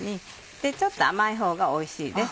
でちょっと甘いほうがおいしいです。